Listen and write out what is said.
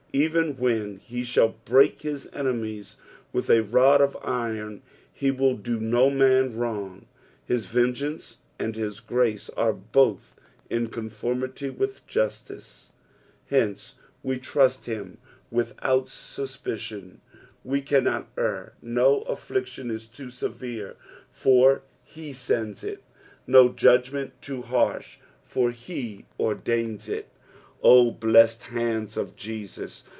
Bven when he shall break his enemies with a rod of iron, he will do no man wrong ; his vengeance and his grace are lioth in conformity with justice^ Hence we trust him without suspicion ; he cannot err ; no affliction U too severe, for he sends it ; no judgment too harsh, for he ordains it. O PSALJt THE FOBTT FIFTH. 355 blessed hDndB of Jvsiis